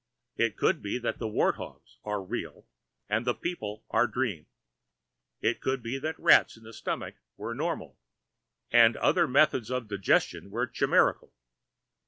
It could be that the wart hogs were real and the people a dream. It could be that rats in the stomach were normal, and other methods of digestion were chimerical.